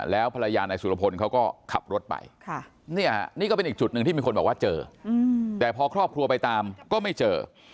แล้วภรรยานายสุรพลเขาก็ขับรถไปนี่ก็เป็นอีกจุดหนึ่งที่มีคนบอกว่าเจอแต่พอครอบครัวไปตามก็ไม่เจอ